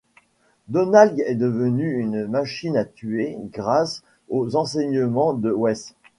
Donald est devenu une machine à tuer grâce aux enseignements de Wes.